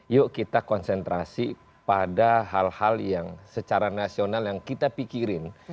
yuk kita konsentrasi pada hal hal yang secara nasional yang kita pikirin